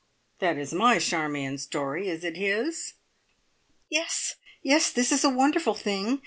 That is my Charmion's story. Is it his?" "Yes! yes! this is a wonderful thing!